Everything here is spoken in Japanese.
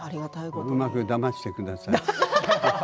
うまくだましてください。